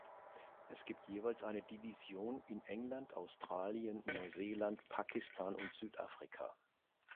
Es gibt jeweils eine Division in England, Australien, Neuseeland, Pakistan und Südafrika.